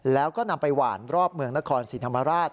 แล้วก็นำไปหวานรอบเมืองนครศรีธรรมราช